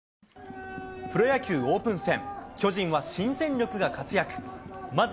プロ野球オープン戦。